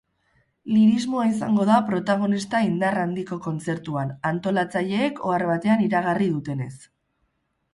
Lirismoa izango da protagonista indar handiko kontzertuan, antolatzaileek ohar batean iragarri dutenez.